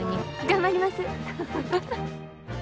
頑張ります。